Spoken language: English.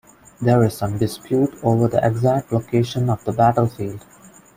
There is some dispute over the exact location of the battlefield.